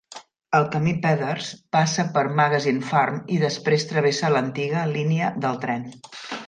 El camí Peddars passa per Magazine Farm i després travessa l'antiga línia del tren.